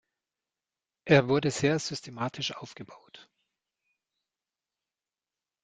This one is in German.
Er wurde sehr systematisch aufgebaut.